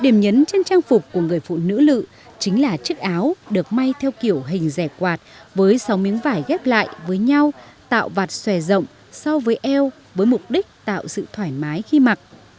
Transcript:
điểm nhấn trên trang phục của người phụ nữ lự chính là chiếc áo được may theo kiểu hình rẻ quạt với sáu miếng vải ghép lại với nhau tạo vạt xòe rộng so với eo với mục đích tạo sự thoải mái khi mặc